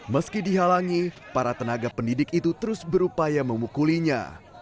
meski dihalangi para tenaga pendidik itu terus berupaya memukulinya